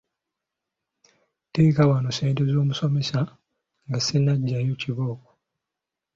Teeka wano ssente z'omusomesa nga sinnaggyayo kibooko.